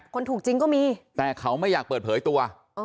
คนถูกจริงก็มีแต่เขาไม่อยากเปิดเผยตัว